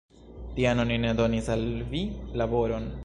Tiam, oni ne donis al vi laboron.